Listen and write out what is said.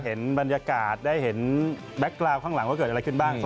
เห็นบรรยากาศได้เห็นแบ็คกราวข้างหลังว่าเกิดอะไรขึ้นบ้าง